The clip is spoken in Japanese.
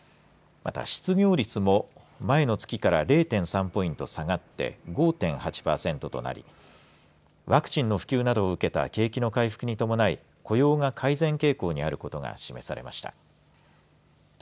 また失業率も前の月から０．３ポイント下がって５．８パーセントとなりワクチンの普及などを受けた景気の回復に伴い雇用が改善傾向にあることが示されました。